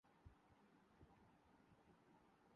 نہیں سمجھانا چاہیے۔